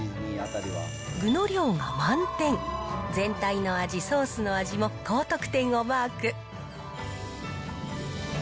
具の量が満点、全体の味、ソースの味も高得点をマーク。